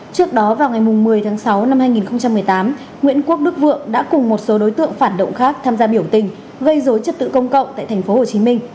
trước đó vào ngày một mươi tháng sáu năm hai nghìn một mươi tám nguyễn quốc đức vượng đã cùng một số đối tượng phản động khác tham gia biểu tình gây dối trật tự công cộng tại tp hcm